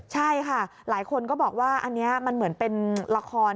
ใช่ค่ะหลายคนก็บอกว่าอันนี้มันเหมือนเป็นละคร